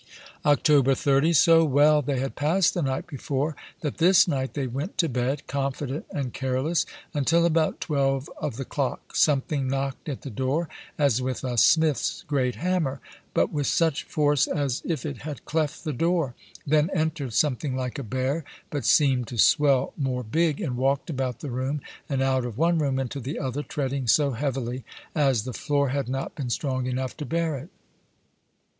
October 30. So well they had passed the night before, that this night they went to bed, confident and careless; untill about twelve of the clock, something knockt at the door as with a smith's great hammer, but with such force as if it had cleft the door; then ent'red something like a bear, but seem'd to swell more big, and walkt about the room, and out of one room into the other, treading so heavily, as the floare had not been strong enough to beare it.